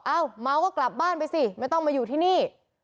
เมาก็กลับบ้านไปสิไม่ต้องมาอยู่ที่นี่